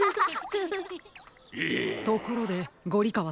ところでゴリかわさん。